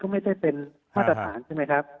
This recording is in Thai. ไม่ใช่เป็นมาตรฐานใช่ไหมครับ